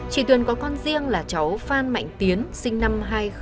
chị tuyền có con riêng là cháu phan mạnh tiến sinh năm hai nghìn một mươi sáu